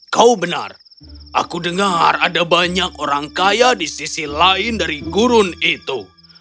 kau benar aku dengar ada banyak orang kaya di sisi lain dari gurun itu